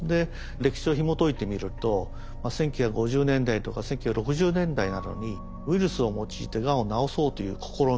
歴史をひもといてみると１９５０年代とか１９６０年代などにウイルスを用いてがんを治そうという試み